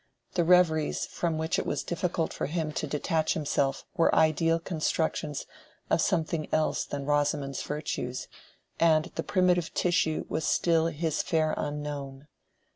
The reveries from which it was difficult for him to detach himself were ideal constructions of something else than Rosamond's virtues, and the primitive tissue was still his fair unknown.